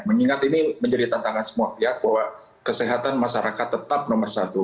mengingat ini menjadi tantangan semua pihak bahwa kesehatan masyarakat tetap nomor satu